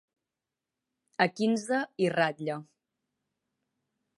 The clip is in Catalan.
A quinze i ratlla.